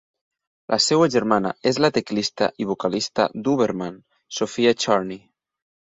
La seva germana és la teclista i vocalista d'Ooberman, Sophia Churney.